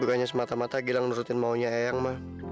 bukannya semata mata gilang menurutin maunya eyang ma